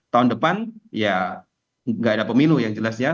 tahun depan ya nggak ada pemilu yang jelas ya